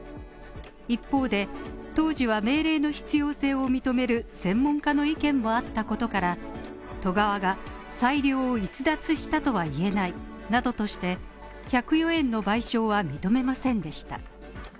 一方で、当時は命令の必要性を認める専門家の意見もあったことから都側が裁量を逸脱したとは言えないなどとして１０４円の賠償は認めませんでした。